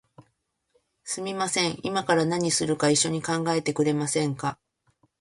すみません、いまから何するか一緒に考えてくれませんか？